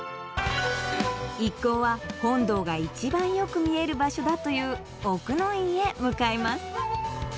一行は本堂が一番よく見える場所だという奥の院へ向かいます